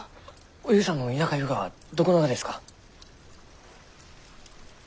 おゆうさんの田舎ゆうがはどこながですか？